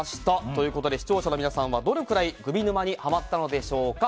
ということで視聴者の皆さんはどのくらいグミ沼にハマったのでしょうか。